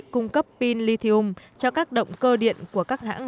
cung cấp pin lithium cho các động cơ điện của các hãng